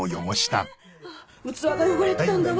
ああ器が汚れてたんだわ。